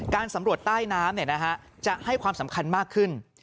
สำรวจใต้น้ำจะให้ความสำคัญมากขึ้น